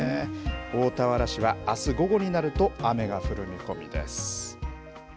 大田原市はあす午後になると、雨が降る見込みです。